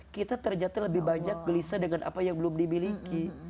kita ternyata lebih banyak gelisah dengan apa yang belum dimiliki